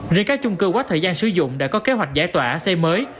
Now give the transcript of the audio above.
riêng các chung cư quá thời gian sử dụng đã có kế hoạch giải tỏa xây mới